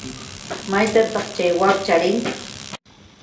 ¿Maytapa chay wakcha rin?